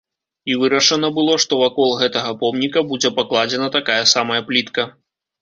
І вырашана было, што вакол гэтага помніка будзе пакладзена такая самая плітка.